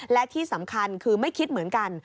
และที่สำคัญคือไม่คิดเหมือนกัน